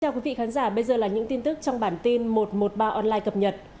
chào quý vị khán giả bây giờ là những tin tức trong bản tin một trăm một mươi ba online cập nhật